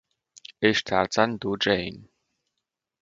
Ich Tarzan, Du Jane!